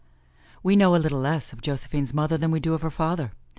We know a little less of Josephine's mother than we do of her father.